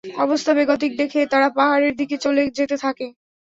অবস্থা বেগতিক দেখে তারা পাহাড়ের দিকে চলে যেতে থাকে।